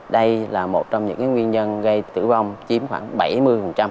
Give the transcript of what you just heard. đây là một trong những nguyên nhân gây tử vong chiếm khoảng bảy mươi